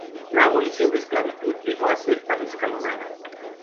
La abolición de la esclavitud llegó a ser tan escalonada.